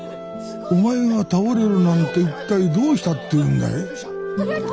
お前が倒れるなんて一体どうしたっていうんだい？